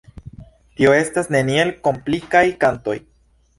Tio estas neniel komplikaj kantoj.